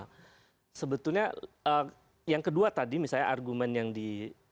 nah sebetulnya yang kedua tadi misalnya argumen yang di